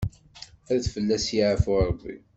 Ad fell-as yaɛfu Rebbi.